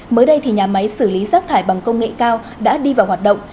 mới đây thì nhà máy xử lý rác thải bằng công nghệ cao đã đi vào hoạt động